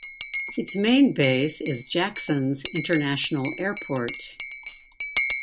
Its main base is Jacksons International Airport.